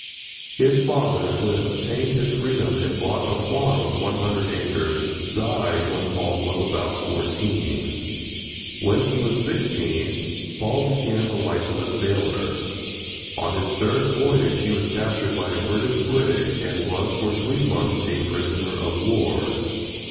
His father, who had obtained his freedom and bought a farm of one hundred acres, died when Paul was about fourteen. When he was sixteen, Paul began the life of a sailor. On his third voyage he was captured by a British brig and was for three months a prisoner of war.